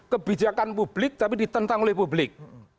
kebijakan publik tapi ditentang oleh publik